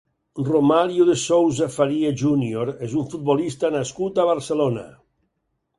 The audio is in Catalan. Romário de Souza Faria Júnior és un futbolista nascut a Barcelona.